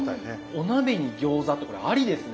お鍋に餃子ってこれありですね。